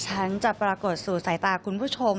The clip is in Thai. ฉันจะปรากฏสู่สายตาคุณผู้ชม